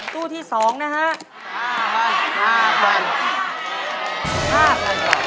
ตู้ที่๒นะครับ